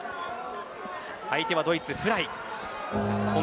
相手はドイツのフライです。